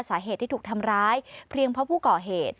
สาเหตุที่ถูกทำร้ายเพียงเพราะผู้ก่อเหตุ